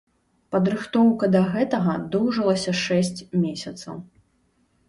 Падрыхтоўка да гэтага доўжылася шэсць месяцаў.